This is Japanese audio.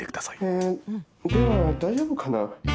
えでは大丈夫かな。